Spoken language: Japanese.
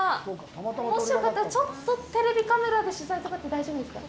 もしよかったら、ちょっとテレビカメラで取材とかって大丈夫ですか。